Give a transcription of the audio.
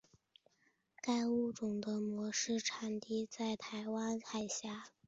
该物种的模式产地在台湾海峡。